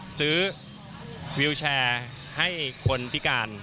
ซื้อวิลแชร์ให้คนพิการ